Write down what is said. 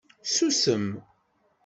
Susem